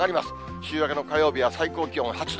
週明けの火曜日は最高気温８度。